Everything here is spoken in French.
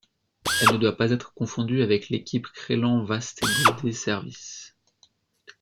Elle ne doit pas être confondue avec l'équipe Crelan-Vastgoedservice.